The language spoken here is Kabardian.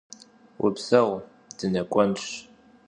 Vupseu, dınek'uenş.